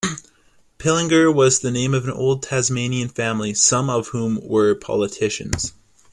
Pillinger was the name of an old Tasmanian family, some of whom were politicians.